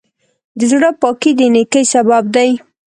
د زړۀ پاکي د نیکۍ سبب دی.